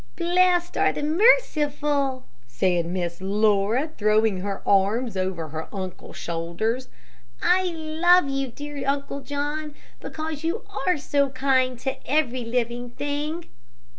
"Blessed are the merciful," said Miss Laura, throwing her arm over her uncle's shoulder. "I love you, dear Uncle John, because you are so kind to every living thing."